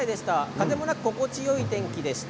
風もなく心地よい天気でした。